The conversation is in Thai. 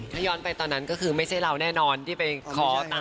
ถ้าย้อนไปตอนนั้นก็คือไม่ใช่เราแน่นอนที่ไปขอตังค์